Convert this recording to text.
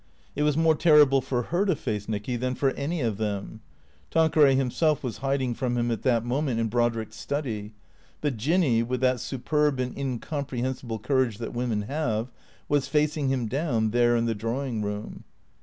It was more terrible for her to face Nicky than for any of them. Tanqueray himself was hiding from him at that moment in Brodrick's study. But Jinny, with that superb and incomprehensible courage that women have, was facing him down there in the drawing room.